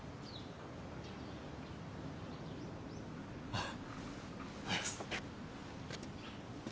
あっ。